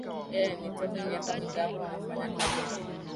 ee nitoka miaka mingapi unafanya kazi hii